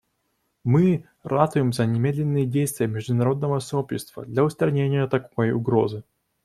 Мы ратуем за немедленные действия международного сообщества для устранения такой угрозы.